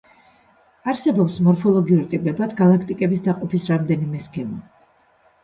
არსებობს მორფოლოგიურ ტიპებად გალაქტიკების დაყოფის რამდენიმე სქემა.